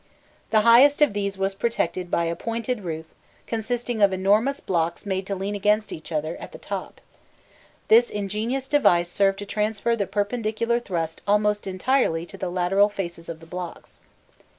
The highest of these was protected by a pointed roof consisting of enormous blocks made to lean against each other at the top: this ingenious device served to transfer the perpendicular thrust almost entirely to the lateral faces of the blocks.